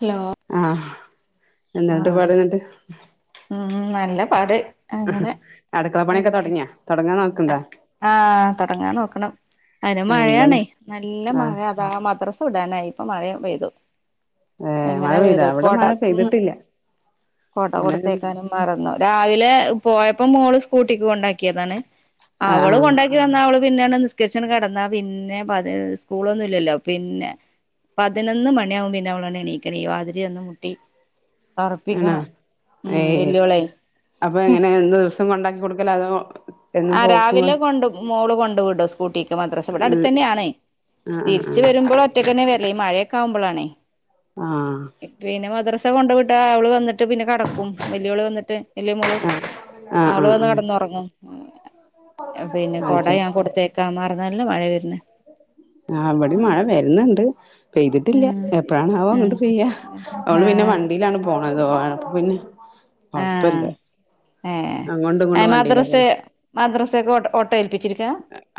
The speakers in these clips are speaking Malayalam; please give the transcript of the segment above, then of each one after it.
ഹലോ അഹ് എന്തട്ട് പാടന്നിട്ട് മ് നല്ല പാട് അങ്ങനെ അടുക്കള പണിയൊക്കെ തുടങ്ങിയ തുടങ്ങാ നൊ അഹ് തുടങ്ങാൻ നോക്കണു അതിന് ആഹ് എന്താന്ന് മഴയാണേ നല്ല ആഹ് മഴ ആ മദ്രാസ വിടാനായി ഇപ്പ മഴ പെയ്തു ഏഹ് മഴ എങ്ങനെ വരൂ പെയ്താ ഇവിടെ കൊട മഴ ഉം പെയ്തിട്ടില്ല കൊട അങ്ങനെ ഒരു കൊടുത്തേക്കാനും- മറന്നു രാവിലെ പോയപ്പോ മോള് സ്കൂട്ടിക്ക് കൊണ്ടാക്കിയതാണ് ആഹ് അവള് ആഹ് കൊണ്ടാ ക്കി വന്ന അവള് പിന്നെ നിസ്കരി ച്ചണ് കെടന്ന പിന്നെ പദി സ്കൂളൊന്നുംല്ലല്ലോ പിന്നെ- പതിനൊന്ന് മണിയാവും പിന്നെ അവളൊന്ന് എനിക്കണോങ്കി വാതിലി വന്ന് മുട്ടി ആണോ ഒറപ്പിക്കണം ഉം ഏഹ് വെല്ലോവളെ അപ്പൊ എങ്ങനെ എന്നും ദിവസം കൊണ്ടാക്കി കൊടുക്കല അതോ- എന്നും ആ പോക്കുമോ രാവിലെ കൊണ്ട് മോള് കൊണ്ട് വിടും സ് ബോട്ടിക്ക് മദ്രസ ഇവിടെ ഉം അടുത്തന്നെയാണ് ആഹ് തിരിച്ച് ആഹ് വരുമ്പോൾ ഒറ്റൊക്കന്നെ വരല്ലേ ഈ മഴയൊക്കൊവുമ്പോള്ളണേ ആഹ് പിന്നെ മദ്രസ കൊണ്ട് വിട്ടാ അവള് വന്നിട്ട് പിന്നെ കിട ക്കും വല്ലിയോള് വന്നിട്ട് വല്ലിയ മോള് ആഹ് ആഹ് അവള് ആഹ് വന്ന് ആഹ് കെടന്ന് ഒറങ്ങും [inaudible] പിന്നെ അത് കൊട ശരി ഞാൻ കൊടുത്തയാക്കാൻ മറന്നു നല്ല മഴ വേരുന്ന് അഹ് ഇവിടേം മഴ വരുന്നുണ്ട് പെയ്തിട്ടില്ല ഉം എപ്പഴാണവോ ഉം ഇങ്ങോട്ട് പെയ്യ്യാ അവള് പിന്നെ ആഹ് വണ്ടിയിലാണ് പോണത് പിന്നെ ആയത് [unintelligible] കൊണ്ട് ആഹ് പിന്നെ കൊഴപ്പയില്ല ഏ മദ്രസ പോണെ മദ്രസ ഒക്കെ ഓ ഓട്ടോ ഏൽപ്പിച്ചിരിക്ക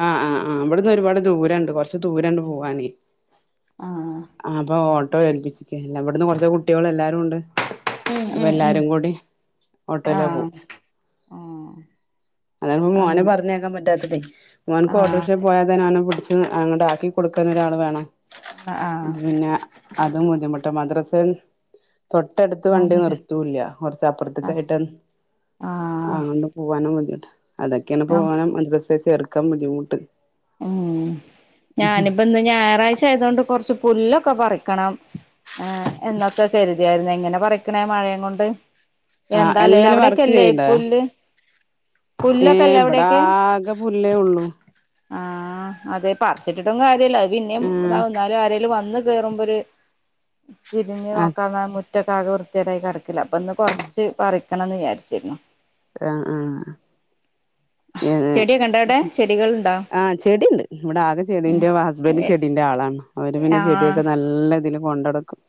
ആഹ് ആഹ് ആഹ് ഇവിടന്ന് ഒരുപാട് ദൂരം ഒണ്ട് കൊറച്ച് ദൂരോണ്ട് പോവാനെ ആഹ് അപ്പൊ ഓട്ടോ ഏൽപ്പിച്ചില്ലേ അവിടന്ന് കൊണ്ട് പോയ കുട്ടികള് എല്ലാരും ഒണ്ട് ഉം അപ്പ ഉം ഉം എല്ലാരും കൂടി ഓട്ടോയില് ആഹ് പോകും ആഹ് അതാ ഇപ്പ മോനെ അങ്ങനെ പറഞ്ഞയക്കാൻ പറ്റാത്തതെ മോനുക്ക് ആഹ് ഓട്ടോറിക്ഷ പോയാ തന്നെ അവനെ പിടിച്ചു അങ്ങോട്ട് ആക്കി കൊടുക്കൻ ഒരാള് വേണം. ആഹ് പിന്നെ അതും ബുദ്ധിമുട്ട് മദ്രസൻ- തൊട്ടടുത്ത് വണ്ടി ആണല്ലേ നിർത്തൂല്ല ആഹ് കൊറച്ചപ്പുറത്തേക്കായിട്ട് അങ്ങ്- പോവാനും ബുദ്ധിമുട്ട് അതൊക്കെയാണ് ആഹ് പോകാനും മദ്രസേ ചേർക്കാൻ ബുദ്ധിമുട്ട് ഉം ഞാനിപ്പ എന്താ ഞായറാഴ്ച ആയത് കൊണ്ട് കൊറച്ച് പുല്ലൊക്കെ പറിക്കാ - ക്കണം ഏ എന്നൊക്കെ കരുതിയായിരുന്നു എങ്ങനെ പറിക്കണേ മഴേ കൊണ്ട് ആ എന്താലേ എന്തേലും വർക്ക് അവിടെക്കെല്ലേ ചെയ്യ്ണ്ടഏ പുല്ല് പുല്ലൊക്കെല്ലേ ഇവിടെ അവിടെയൊക്കെ ആകെ - പുല്ലേ ഒള്ളൂ ആഹ് അതെ പറിച്ചിട്ടിട്ടും കാര്യല്ല അത് പിന്നെയും ഇതാവും എന്നാലും ആരേലും വന്ന്- കേറുമ്പോര് തിരിഞ്ഞു ആ ആ നോക്കാതെ മു- മുറ്റത്ത് ആകെ വൃത്തികെടായി കെടക്കില്ലേ അപ്പൊ ഇന്ന് കൊറച്ച് പറിക്കണം എന്ന് വിചാരിച്ചിരുന്നു ആഹ് ആഹ് ചെടിയൊക്കെ ഒണ്ടാ അവിടെ ചെടികള് ഒണ്ടോ ആഹ് ചെടി ഇണ്ട് ഇവിടെ ആകെ ചെടീന്റെ ഹസ്ബൻഡ് ചെടിന്റെ ആളാണ് അവര് പിന്നെ ആഹ് ചെടിയൊക്കെ നല്ല- നല്ല ഇതില് കൊണ്ട് അടക്കും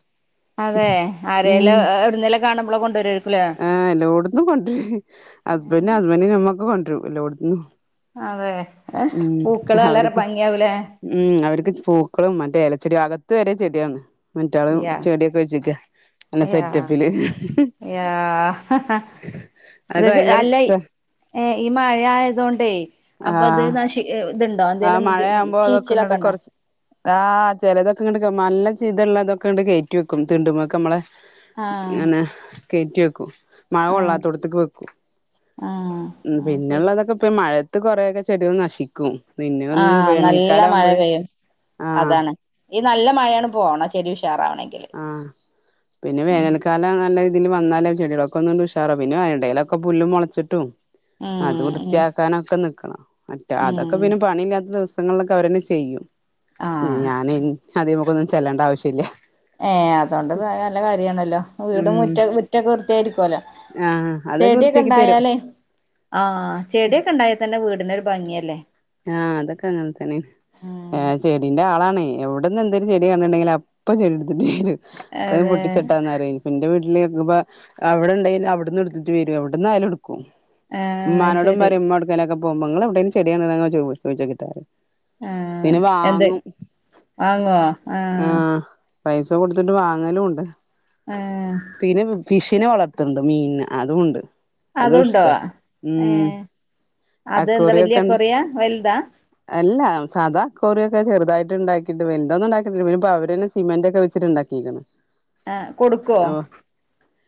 അതെ ഉം ആരേലും എവിടുന്നേലും കാണുമ്പളെ കൊണ്ടുവരുവായിരിക്കുംല്ലേ ആഹ് എല്ലോടുന്നും കൊണ്ട് വരും ഹസ്ബൻഡ് ഹസ്ബൻഡ് ഞമ്മക്ക് കൊണ്ട് വരും ഒരു ലോ അതെ ഏ പൂക്കള് നല്ലൊരു അവർക്ക് ഭംഗിയാവൂലേ ഉം അവരക്ക് പൂക്കളും മറ്റേ എലച്ചെടി അകത്ത് വരെ ചെടിയാണ് മറ്റാളും യാ ചെടിയൊക്കെ വെച്ചിരിക്ക നല്ല യാ സെറ്റപ്പില് യാ അതൊക്കെ ഇതൊക്കെ ഭയങ്കര അല്ല ഇഷ്ട്ട- ഏ ഈ മഴ ആയതുകൊണ്ടേ അപ്പൊ അത് ആ നഷ് ഇത് എണ്ടോ ആ എന്തെേലും ചീച്ചിലൊ [unintelligible] ക്കെ ഒണ്ടാ ആഹ് ചെലതൊക്കെ ഇങ്ങാട്ട് എടുക്കും നല്ല ചിത ഒള്ളതൊക്കെ അങ്ങാട്ട് കേറ്റി വെക്കും തിണ്ടുമ്പക്കെ ഞമ്മള് ആഹ് അങ്ങനെ കേറ്റി വെക്കും മഴ ആഹ് കൊള്ളാത്തോടത്തേക്ക് വെക്കും ആഹ് ആഹ് പിന്നെ ശരി ഉള്ളതൊക്കെ ഇപ്പ മഴ- അത് കൊറെയൊക്കെ ചെടികള് നശിക്കും പിന്നെ ഒന്നും ആഹ് നല്ല വേനൽക്കാല മഴ ആവുമ്പഴ് പെയ്യും ആ- അതാണ് ഈ നല്ല മഴ അങ്ങാട്ട് പോണം ചെടി ഉഷാറാവണെങ്കിൽ ആഹ് പിന്നെ വേനലക്ക എല്ലാം നല്ല രീതിയില് വന്നാലും ചെടികളൊക്കെ ഒന്ന്ണ്ട് ഉഷാറ പിന്നെ ഇടേയിലൊക്കെ പുല്ല് മുളച്ചിട്ടും അത് ഉം ഉം വൃത്തിയാക്കാനൊക്കെ നിക്കണം മറ്റേ അതൊക്കെ ഉം പിന്നെ പണിയില്ലാത്ത ദിവസങ്ങളിലൊക്കെ അവരന്നെ ചെയ്യും ആഹ് ഞാനെ ഇനി അതിമക്കൊന്നും ചെല്ലണ്ട ആവശ്യല്ല ഏ അതുകൊണ്ട് നല്ല കാര്യണല്ലോ ഉം വീടും മുറ്റ മുറ്റൊക്കെ വൃത്തിയായിരിക്കുവല്ലോ ആഹ് അതൊക്കെ ചെടിയൊക്കെ വൃത്തിയാക്കി തരും ഉണ്ടായാലേ ആഹ് ചെടിയൊക്കെ ഉണ്ടായാൽ തന്നെ വീടിന് ഒരു ഭംഗിയല്ലേ ആഹ് അതൊക്ക അങ്ങനെ തന്നെ ഏണ് ഏ ഉം ചെടിന്റെ ആളാണേ എവിടന്ന് എന്തേലും ചെടി കണ്ടിട്ടുണ്ടങ്കില് അപ്പൊ ചെ [unintelligible] അത് അതെ പൊട്ടിച്ച് ഇട്ടത് ആന്ന് പറയും ന്റെ വീട്ടിൽ ആയിരിന്നപ്പ അവിടെ ഇണ്ടായില്ല അവിടുന്നും എടുതിട്ട് വരും എവിടുന്ന് ആണേലും എടുക്കും. ആഹ് ഉമ്മാനോടും ശരി പറയും ഉമ്മ എവിടകേലും ഒക്കെ പോകുമ്പോ ങ്ങളെവിടെലും ചെടി കണ്ട്ണ്ടെങ്കിൽ എന്ന് ചോദി ചോദിച്ച് നോക്ക്ട്ടാ ആഹ് പിന്നെ എന്ത് വാങ്ങും ആഹ് പൈസ കൊടുത്തിട്ട് വാങ്ങലും ഉണ്ട് ഏഹ്. പിന്നെ ഫിഷിനെ വളർത്തണ്ട് മീൻന്നെ അതുണ്ട് അതുഷ്ട അതുണ്ടോ ഉം ഏഹ് അതെന്താ വല്യ അക്കോറിയക്കെണ്ട് കൊറിയ വലുതാ അല്ല സദാ അക്കോറിയാക്കെ ചെറുതായിട്ട് ഉണ്ടാക്കിയിട്ട് വലുതൊന്നും ഉണ്ടാക്കിട്ടില്ല പിന്നെ ഇപ്പോ അവര്തന്നെ സിമെന്റ് ഒക്കെവെച്ചിട്ട് ഉണ്ടാക്കീക്കന് ആഹ് കൊടുക്കോ?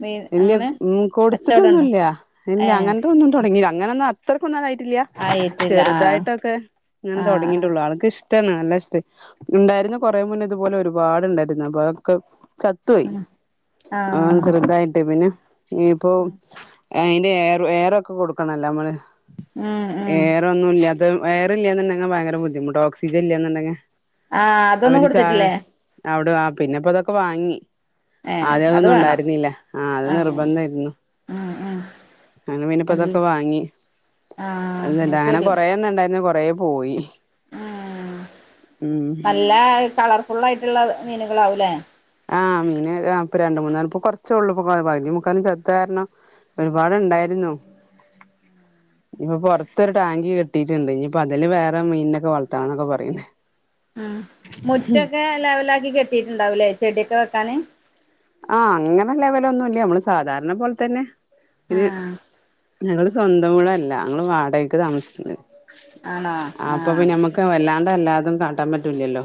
മീൻ ഇല്ല അങ്ങനെ ഉം കച്ചോടണ്ടോ കൊടുത്തിട്ടൊന്നുംല്ല ഇല്ല ഏഹ് അങ്ങനതതൊന്നും തുടങ്ങില്ല അങ്ങനൊന്ന ഇത്രക്കൊന്നു ആയിട്ടില്ല ആയിട്ടില്ല ആഹ് ചെറുതായിട്ടൊക്കെ ഇങ്ങനെ ആഹ് ആഹ് തുടങ്ങിയിട്ടുള്ളു ആൾക്ക് ഇഷ് ഇഷ്ടണ് നല്ല ഇഷ്ടേ ഉണ്ടായിരുന്നു കുറേ മുന്നേ ഇതുപോലെ ഒരുപാട്ണ്ടായിരുന്നു അപ്പൊ അതൊക്കെ ചത്ത് തോയ് ഉം ആഹ് ചെറുതായിട്ട് പിന്നെ. ഇനിപ്പോ അയ്ൻ എയർ എയർ ഒക്കെ കൊടുക്കണല്ലോ നമ്മള് ഉം ഉം എയർ ഒന്നുംല്ലത എയർ ഇല്ലന്നുണ്ടെങ്കിൽ ഭയങ്കര ബുദ്ധിമുട്ട ഓക്സിജൻ ഇല്ലന്നുണ്ടെങ്കിൽ ആ അതൊന്നും അവന് ച കൊടുത്തിട്ടില്ലേ അവിടെ ആഹ് പിന്നെപ്പോ അതൊക്കെ വാങ്ങി ഏ ആദ്യം അത് അതൊന്നും വേണം ഉണ്ടായിരുന്നില ആഹ് അത് അങ്ങനെ നിർബന്ധരുന്നു ഉം ഉം അങ്ങനെ അല്ല പിന്നപ്പതൊക്കെ വാങ്ങി ആ അത് അങ്ങനെ കൊറെേ എണ്ണ ഇണ്ടായിരുന്നു കൊറേ പോയി.. ആഹ് ഉം നല്ല കളർ ഫുൾ ആയിട്ടുള്ള മീനുകൾ ആവുംലെ ആഹ് മീൻ ആഹ് പ്പോ രണ്ട് മൂന്ന് ഇപ്പൊകുറച്ചേള്ളൂ പകുതി മുക്കാലും ചത്തദ് കാരണം ഒരുപാടുണ്ടായിരുന്നു ഇനിപ്പ പൊറത്തൊരു ടാങ്ക് കെട്ടിയിട്ടുണ്ട് ഇനിയിപ്പൊ അതില് വേറെ മീനൊക്കെ വളർത്തണം എന്നൊക്കെ പറയുന്നേ. ഉം മുറ്റൊക്കെ ലെവല ആക്കി കെട്ടിയിട്ടുണ്ടാവൂലേ ചെടിയൊക്കെ വെക്കാന് ആഹ് അങ്ങനെ ലെവലൊന്നുംല്ല നമ്മള് സാധാരണ പോലെ തന്നെ ആ പിന്നെ ഞങ്ങള് സ്വന്തം വീട് അല്ലാ ഞങ്ങള് വാടകക്ക് താമസിക്കുന്നത് ആണോ ആ അപ്പൊ പിന്നെ നമ്മക്ക് വല്ലാണ്ട് എല്ലാതും കാട്ടാൻ പറ്റൂലല്ലോ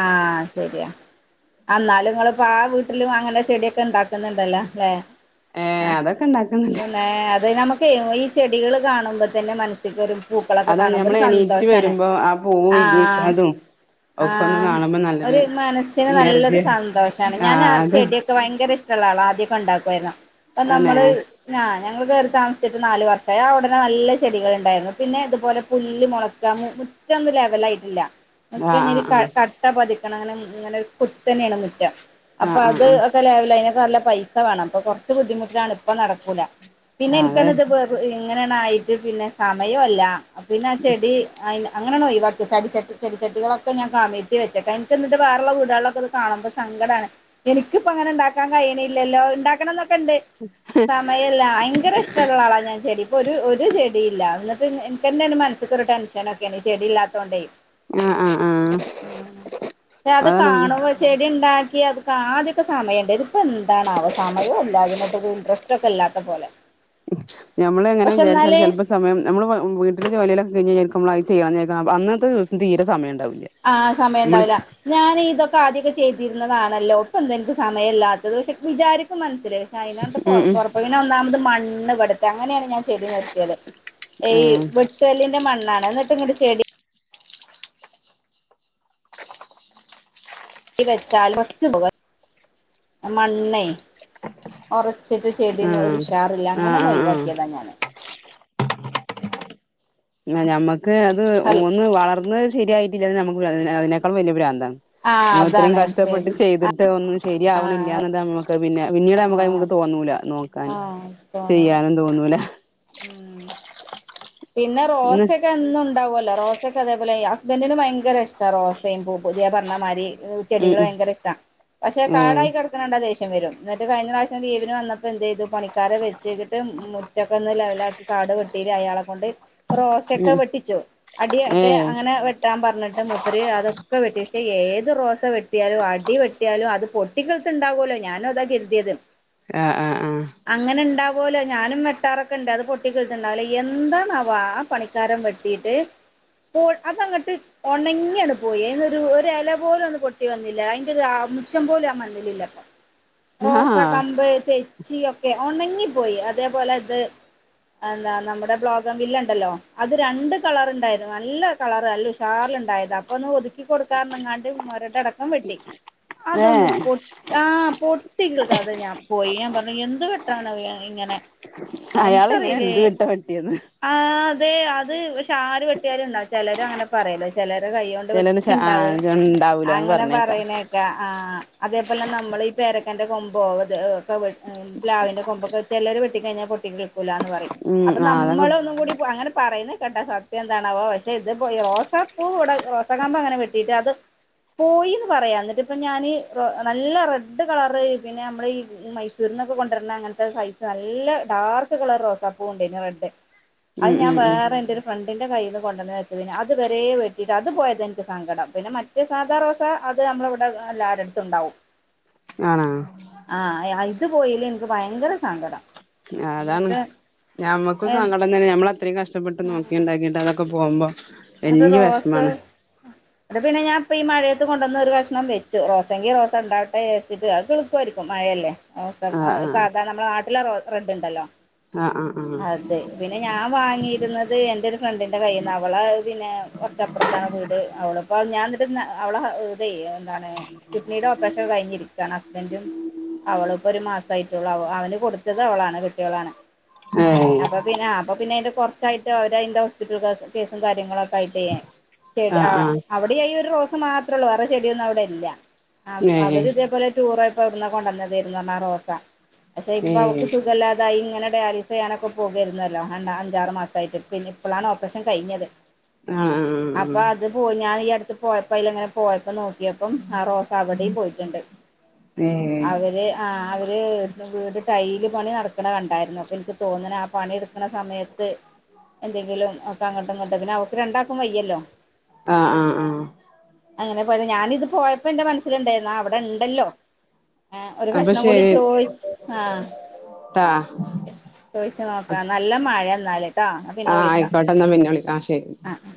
ആഹ് ശരിയാ. അന്നാലും ങ്ങളിപ്പോ ആഹ് വീട്ടിലും അങ്ങനെ ചെടിയൊക്കെ ഉണ്ടാക്കുന്നുണ്ടല്ലോ ല്ലേ ഏ അതൊക്കെ ഉണ്ടാക്കുന്നുണ്ട് ഏഹ് അത് നമുക്ക് ഈ ചെടികൾ കാണുമ്പോ തന്നെ മനസ്സിക്കൊരു പൂക്കളൊക്കെ അതാണ് കാണുമ്പ ഞമ്മള് ഒരു എണീറ്റ് സന്തോഷണ് വരുമ്പോ ആ പൂവ് ആഹ് വിരിഞ്ഞിക്കണതും ഒക്കെ ഒന്ന് ആഹ് കാണുമ്പോ നല്ലൊരു ഒരു മനസ്സിന് നല്ലൊരു എനർജിയ സന്തോഷണ് ആ ഞാൻ ആഹ് അത് ചെടിയൊക്കെ ഭയങ്കര ഇഷ് ഷ്ടള്ള ആളാ ആദ്യമൊക്കെ ഉണ്ടാക്കുമായിരുന്നു അപ്പം അന്നെ നമ്മൾ ആഹ് ഞങ്ങൾ കയറി താമസിച്ചിട്ട് നാല് വർഷമായി ആഹ് ഉടനെ നല്ല ചെടികൾ ഉണ്ടായിരുന്നു പിന്നെ ഇതുപോലെ പുല്ല് മുളക് മുറ്റൊന്ന് ലെവലായിട്ടില്ല ആ മുറ്റഞ്ഞി ആ കട്ട പതിക്കാണെങ്ങനെ ങ്ങനെ കുത്തനെ എണ് മുറ്റം ആ ആ അപ്പ ആ അത് ല അതിന നല്ല പൈസ വേണം അപ്പൊ കൊറച്ച് ബുദ്ധിമുട്ടാണ് ഇപ്പ നടക്കൂല പിന്നെ ആ എനിക്ക അതെ ഇത് ഇങ്ങനെണായിട്ട് പിന്നെ സമയൊല്ല പിന്നെ ആ ചെടി അയ്ന് അങ്ങനെണൊയ്‌വാക്ക്യച്ചാല് ചടി ചട്ടി ചെട്ടി ചട്ടികളൊ ഒക്കെ ഞാ കമിഴ്ത്തി വെച്ചക്ക ഇൻക്ക്ന്നട്ട് വേറെള്ള വീടുകളിലൊക്കെത് കാണുമ്പോ സങ്കടാണ്. എനിക്കിപ്പോ അങ്ങനെണ്ടാക്കാൻ കയ്യിണില്ലല്ലോ ഇണ്ടാക്കണന്നൊക്കെണ്ട് സമയല്ല ഭയങ്കര ഇഷ്ടള്ള ആളാ ഞാൻ ചെടി ഒര് ഒരു ചെടില്ല ന്നട്ട് ഇൻക്കെന്നെണ് മൻസ്സ് ക്കൊര് ടെൻഷനൊക്കെണ് ചെടില്ലാത്തോണ്ടെയ് ആഹ് ആഹ് ആഹ് ഉം ക്ഷേ അത് കാണുമ്പോ ചെടിണ്ടാക്ക്യെ അത് കാദ്യക്കെ സമയണ്ടായ്ല് പ്പൊന്താണാവോ സമയം ഇല്ലോഅതിനൊക്കെ ഒരു ഇൻട്രസ്റ്റ് ഒക്കെ ഇല്ലാത്ത പോലെ ഞമ്മള് എങ്ങനെ പക്ഷെ വിചാര്ച്ചാൽ എന്നാല് ചെലപ്പോ സമയം ഞമ്മള് വ മ് വീട്ടിലെ ജോലിലൊക്കെ കയിഞ്ഞ്ങ്ങനെ ഇരിമ്പം അത്‌ ചെയ്യണം വിചാരിക്കും അപ് അന്നത്തെ ദിവസം തീരെ സമയണ്ടാവൂല. ആഹ് സമയണ്ടാവൂല. ഞാന് ഇതൊക്കെ ആദ്യാക്കെ ചെയ്തിര്ന്നതാണല്ലോ ഇപ്പെന്ത ഇൻക്ക് സമയല്ലാത്തത് ക്ഷെ വിചാരിക്കും മനസ്സില് അയ്നാണ്ട് പ്പോ ഉം പൊറ [unintelligible] പിന്നൊമത് മണ്ണ് വ്ടെത്തെ അങ്ങനെണ് ഞാൻ ചെ- ചെടി നിർത്ത്യത് എയ് ഉം വെട്ടല്ലിന്റെ മണ്ണാണ് ന്നട്ട് ങ്ങട്ട് ചെടി ചെടി വെച്ചാല് [unintelligible] പോവ ആ മണ്ണേ ഒറച്ചിട്ട് ആ ചെട്യൊന്നും ഒരുഷാറില്ല ആ ആ അങ്ങനെണൊഴ് ആ ആ വാക്ക്യതാ ഞാന് പിന്നെ ഞമ്മക്ക് അത് അൽ ഒന്ന് വളർന്നത് ശരിയായിട്ടില്ലതന്നെ നമക്ക് [unintelligible] അതി അതിനേക്കാൾ വെല്യെ പ്രാന്താണ്. ആ ഞാ ഇത്രയും അതാണ് കഷ്ടപ്പെട്ട് ശരി ചെയ്തിട്ട് ഒന്നും ആഹ് ശെര്യാവണില്ല്യാന്ന് [unintelligible] പിന്നെ പിന്നീട് ആഹ് അമ്മക്കയ്മെക്ക് തോന്നൂല നോ ക്കൻ ആഹ് തോന്നൂല ചെയ്യാനും തോന്നൂല. ഉം പിന്നെ ഇന്ന് റോസൊക്കെ എന്നുണ്ടാവൊല്ലോ റോസൊക്കതെപോലെയ് ഹസ്ബൻഡറിന് ഭയങ്കരിഷ്ട റോസയും പൂപൊ ത്യാ പർഞ്ഞമാരി ഏഹ് ഉം ചെടികള് ഉം ഭയങ്കരിഷ്ടാ പക്ഷെ ഏഹ് കാടായി കട ക്ക്ണെ കണ്ടാ ദേഷ്യം വരും ന്നട്ട് കഴിഞ്ഞപ്രാവശ്യം ലീവിന് വന്നപ്പോ എന്തെ ത് പണിക്കാരെ വെച്ചേക്കിട്ട് മുറ്റക്കൊന്ന് ലെവലാക്കി കാട് വെട്ടിരി അയാളെ ണ്ട് റോസൊക്കെ ഉം വെട്ടിച്ചു അടി ടെ ഏഹ് അങ്ങ നെ വെട്ടാൻ പർഞ്ഞിട്ട് മൂപ്പര് അതൊക്കെ വെട്ടി ക്ഷേ ഏത് റോസ വെ ട്ട്യാലും അടി വെട്ട്യാലും അത് പൊട്ടികിളിർത്ത്ണ്ടാവൊല്ലോ ഞാന്വതാ കെര്ത്യേത് ആഹ് ആഹ് ആഹ് അങ്ങനെണ്ടാവൊലോ ഞാനും വെട്ടാറൊക്കെണ്ട് അത് പൊട്ടികിളിച്ച്ണ്ടാവലാ എന്താ ണാവാ ആ പണിക്കാരം വെട്ടിട്ട് [unintelligible] അതങ്ങട്ട് ഒണങ്ങ്യണ് പോയി അയ്നൊരു ഒരു എല പോലൊന്ന് പൊട്ടി വന്നില്ല അയ്ന്റെ ഒരു അംശം പോലും ആ മണ്ണിലില്ലപ്പ. [unintelligible] റോസാ ആഹ് ക്കം ബൈസെയ് ചീയൊക്കെ ഒണങ്ങിപ്പോയി അതേപോലെ ത് അന്താ നമ്മളെ ബ്ലോ സംവില്ലണ്ടല്ലോ അത് രണ്ട് കളറ്ണ്ടായിര്ന്ന നല്ല കളറ് നല്ല ഉഷാറില്ണ്ടായത അപ്പൊന്ന് ഒതി ക്കി കൊട്ക്കാർഞ്ഞ്ങ്ങാണ്ട് മോരടടക്കം വെട്ടി അതൊന്ന് ഏഹ് പൊ ആ പൊട്ടിക്കിള്ക്കാതെ ഞാൻ പോയി ഞാം പർഞ്ഞു എന്ത് വെട്ടാണ് ഇങ്ങനെ അയാള് ഇങ്ങനെ എന്ത് വെട്ടാ വെട്ടിയന്ന് ആ തെ അത് പക്ഷെ ആര് വെട്ട്യാലുണ്ടാവും ചെലേരങ്ങനെ പറ്യോലോ ചെലേരെ കൈയ്യോണ്ട് ചിലര് വെട്ട്യാണ്ടാവൂല ആഹ് ഉണ്ടാവൂലാന്ന് അങ്ങനെ പറഞ്ഞേക്കാം പറിണേ ക്കാ ആഹ് അതേപോലെ നമ്മളെ ഈ പേരക്കാന്റെ കൊമ്പോ അത് ഏഹ് ക്കെ വെ പ്ലാവിന്റെ കൊമ്പൊക്കെ ചെലേര് വെട്ടി കഴിഞ്ഞാ പൊട്ടിക്കിളിക്കൂലാന്ന് പറിം ഉം അപ്പോ ന ആഹ് അതൊക്കെ ഒന്നുംകൂടി പൊ അങ്ങനെ പറയുന്നേക്കാട്ട സത്യന്താണാവോ പക്ഷെ ഇത് പോ ഈ റോസാ പൂ വടെ റോസ് സകമ്പങ്ങനെ വെട്ടീട്ട് അത് പോയിന്ന് പറയാം ന്നട്ട് ഇപ്പ ഞാന് റോ നല്ല റെഡ് കളറ് പിന്നെ അമ്മള് ഈ മൈസൂര്ന്നൊക്കെ കൊണ്ടര്നങ്ങൻത്തെ സൈസ് നല്ല ഡാർക്ക് കളർ റോസാപ്പൂ ണ്ടായിരുന്നു റെഡ് അത് ഉം ഞാൻ ഉം ഉം വേറെ എൻ്റൊരു ഫ്രണ്ടിന്റെ കൈയ്യിന്ന് കൊണ്ടന്ന് വച്ചതേനി അത് വെരെ വെട്ടിട്ട് അത് പോയതൻക്ക് സങ്കടം പിന്നെ മ റ്റേ സാദാ റോസ അത് അമ്മളെ വടെ എല്ലാരെട്ത്തുണ്ടാവും. ആഹ് ആഹ് ഇത് പോയെല് എനിക്ക് ഭയങ്കര സങ്കടം. അതാണ് എന്നിട്ട് ഞമ്മക്കു സങ്കടം തന്നെ ഞമ്മള് അത്രയും കഷ്ടപ്പെട്ട് നോക്കി ഇണ്ടാക്കിട്ട്. അത് ഇപ്പാ പോവുമ്പോ വലിയ‌ വേഷമാണ്. അത് പിന്നെ ഞാൻ ഇപ്പ ഈ മഴയത്ത് കൊണ്ടുവന്ന് ഒരു കഷ്ണം വെച്ച് റോസെക്ക്‌ റോസാ ഉണ്ടാവട്ടെ വെച്ചിട്ട് അത് കിളിർത്ത് വരും ഇപ്പം മഴയല്ലേ ഓ സ ആഹ് സാധാരണ നമ്മുടെ നാട്ടിലെ റോ റെഡ്ഇണ്ടല്ലോ ആഹ് ആഹ് ആഹ് പിന്നെ ഞാൻ വാങ്ങിയിരുന്നത് എന്റെ ഒരു ഫ്രണ്ടിന്റെ കയ്യിന്ന അവള് പിന്നെ കൊറച്ചപ്പറത്താ വീട് അവളിപ്പോ ഞാൻ എന്നിട്ട് അവളാ ഇത് എന്താണ് കിഡ്നിടെ ഓപ്പറേഷക്കെകഴിഞ്ഞിരിക്ക്യണ് ഹസ്ബൻഡ് അവളിപ്പൊ ഒരു മാസ ആയിട്ടുള്ള അവന് കൊടുത്തത് അവളാണ് കെട്ടിയോളാണ്. ആഹ് അപ്പൊ പിന്നെ അപ്പൊ പിന്നെ അന്റെ കുറച്ചായിട്ട് അവര് അതിന്റെ ഹോസ്പിറ്റൽ കേസ് കാര്യങ്ങളൊക്കെ ആയിട്ടെ ആഹ് ഏഹ് ആ ആഹ് ആഹ് അവിടെഈയൊരു റോസ് മാത്രേ ഉള്ളൂ വേറെ ചെടിയൊന്നും അവിടെ ഇല്ല. അവ ഏഹ് അവര് ഇതേപോലെ ടൂർ പോയപ്പോഎവിടുന കൊണ്ടന്ന തായിരുനു റോസ പക്ഷെ ഇപ്പൊ അവക്ക് ഏഹ് സുഖല്ലാ അതായിങ്ങനെ ഡയാലിസിയ്യാനൊക്കെ പോകരുന്നല്ലോ അ അഞ്ചാറ് മാസമായിട്ട് പിന്നെ ഇപ്പളാണ് ഓപ്പറേഷൻ കഴിഞ്ഞത്. ആഹ് ആഹ് ആഹ് അപ്പൊ അത് പോയി ഞാൻ ഈ അടുത്ത് പോയപ്പോ അതിലങ്ങനെ പോയപ്പോ നോക്കിയപ്പം ആ റോസ് അവടെയും പോയിട്ടുണ്ട്. ഏഹ് അവര് ആഹ് അവര് വീട് ടൈല് പണി നടക്കണ കണ്ടായിരുന്നു അപ്പൊ എനിക്ക് തോന്നണ് ആ പണിയെടുക്കണ സമയ ത്ത് എന്തെങ്കിലും ഒക്കെ അങ്ങോട്ടും ഇങ്ങോട്ട് പിന്നെ അവക്ക് രണ്ടാക്കും വയ്യല്ലോ ആഹ് ആഹ് ആഹ് അങ്ങനെ പോയത് ഞാനിത് പോയപ്പോ എന്റെ മനസ്സിലുണ്ടായിരുന്നു അവിടെ ഇണ്ടല്ലോ ആഹ് ഒരു അപ്പൊ കഷ്ണം കൂടി ശരി ചോയി ആഹ് ട്ടാ ചോയിച്ച് നോക്കാം നല്ല മഴെന്നാല്. ആഹ് ആയിക്കോട്ടെന്നാ പിന്നെ വിളിക്ക ആഹ് ശരി അഹ്